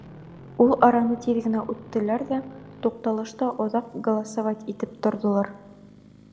Ул араны тиҙ генә үттеләр ҙә туҡталышта оҙаҡ «голосовать» итеп торҙолар.